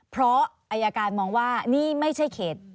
เพราะอายการมองว่านี่ไม่ใช่เขต